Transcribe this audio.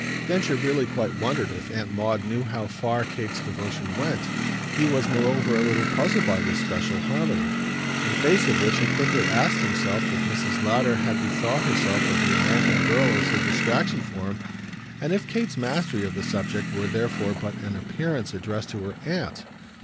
Densher really quite wondered if Aunt Maud knew how far Kate's devotion went. He was moreover a little puzzled by this special harmony; in face of which he quickly asked himself if Mrs. Lowder had bethought herself of the American girl as a distraction for him, and if Kate's mastery of the subject were therefore but an appearance addressed to her aunt.